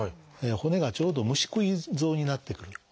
骨がちょうど虫食い像になってくる。